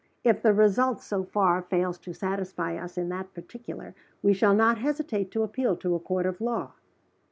If the result, so far, fails to satisfy us in that particular, we shall not hesitate to appeal to a Court of Law."